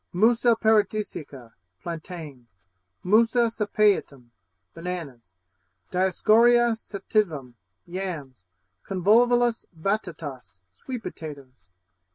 Musa Paradisiaca Plantains. Musa sapientum Bananas. Dioscorea sativum Yams. Convolvulus batatas Sweet potatoes.